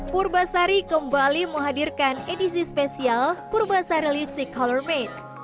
purbasari kembali menghadirkan edisi spesial purbasari lipstick color made